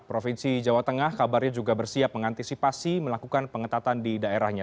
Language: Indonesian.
provinsi jawa tengah kabarnya juga bersiap mengantisipasi melakukan pengetatan di daerahnya